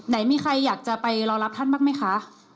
ไหนมีใครอยากจะไปรอรับท่านบ้างไหมคะ